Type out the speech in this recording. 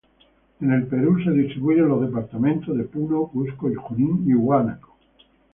En el Perú se distribuye en los departamentos de: Puno, Cusco, Junín y Huánuco.